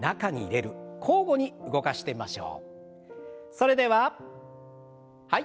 それでははい。